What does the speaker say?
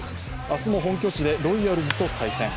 明日も本拠地でロイヤルズと対戦。